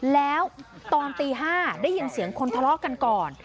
แล้วตอนตี๕ได้ยินเสียงคนทะเลาะกันก่อน